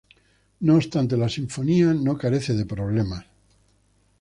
No obstante, la sinfonía no carece de problemas.